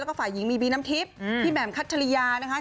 แล้วก็ฝ่ายหญิงมีบีน้ำทิพย์พี่แหม่มคัชริยานะคะ